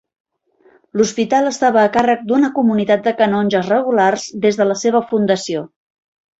L'hospital estava a càrrec d'una comunitat de canonges regulars des de la seva fundació.